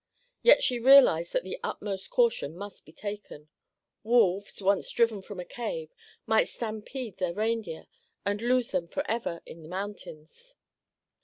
Yet she realized that the utmost caution must be taken. Wolves, once driven from a cave, might stampede their reindeer and lose them forever in the mountains.